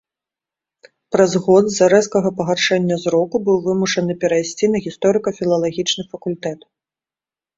Праз год з-за рэзкага пагаршэння зроку быў вымушаны перайсці на гісторыка-філалагічны факультэт.